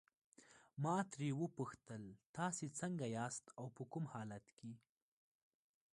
ما ترې وپوښتل تاسي څنګه یاست او په کوم حالت کې.